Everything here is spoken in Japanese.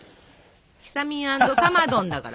ひさみん＆かまどんだから。